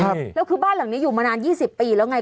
แล้วคือบ้านหลังนี้อยู่มานาน๒๐ปีแล้วไง